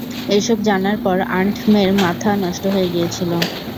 এসব জানার পর আন্ট মের মাথা নষ্ট হয়ে গিয়েছিল।